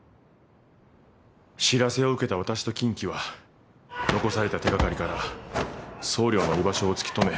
知らせを受けた私と金鬼は残された手掛かりから総領の居場所を突き止め。